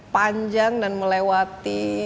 panjang dan melewati